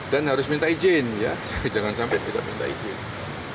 dan harus minta izin jangan sampai tidak minta izin